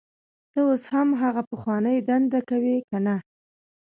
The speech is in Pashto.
ته اوس هم هغه پخوانۍ دنده کوې کنه